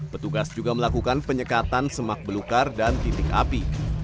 petugas juga melakukan penyekatan semak belukar dan titik api